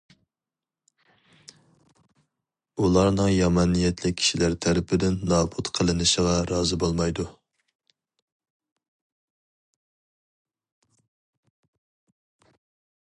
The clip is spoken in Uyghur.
ئۇلارنىڭ يامان نىيەتلىك كىشىلەر تەرىپىدىن نابۇت قىلىنىشىغا رازى بولمايدۇ.